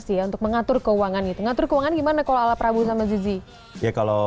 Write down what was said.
sih ya untuk mengatur keuangan itu ngatur keuangan gimana kalau ala prabu sama zizi ya kalau